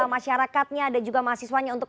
masyarakatnya dan juga mahasiswanya untuk